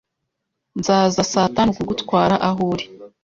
Nzaza saa tanu kugutwara aho uri.